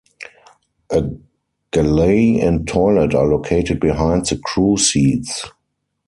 A galley and toilet are located behind the crew seats.